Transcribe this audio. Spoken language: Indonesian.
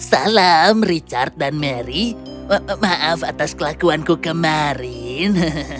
salam richard dan mary maaf atas kelakuanku kemarin